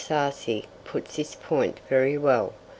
Sarcey puts this point very well.